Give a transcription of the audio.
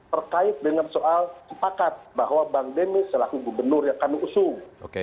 terkait dengan soal sepakat bahwa bang demi selaku gubernur yang kami usung